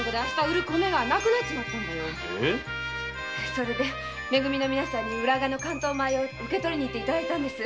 それで「め組」の皆さんに浦賀の関東米を受け取りに行ってもらったんです。